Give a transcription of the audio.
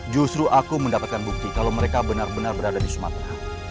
justru aku mendapatkan bukti kalau mereka benar benar berada di sumatera